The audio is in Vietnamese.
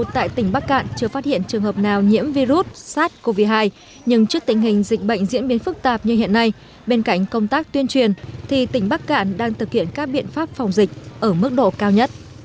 tại trụ sở xã bằng thành huyện bắc nạm tỉnh bắc cạn tiếng loa tuyên truyền phòng dịch liên tục vang lên